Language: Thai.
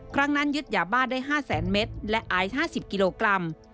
ครั้งนั้นยึดยาบ้าได้๕แสนเมตรและไอ๕๐กิโลกรัม